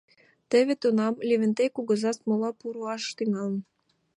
Теве тунам Левентей кугыза смола пу руаш тӱҥалын.